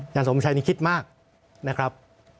จังห์สมบัชชัยนี่คิดมากนะครับ